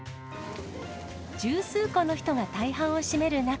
十数個の人が大半を占める中。